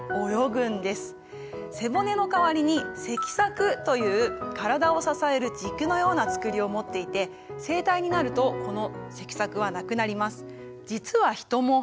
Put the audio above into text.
背骨の代わりに脊索という体を支える軸のようなつくりを持っていて成体になるとこの脊索はなくなります。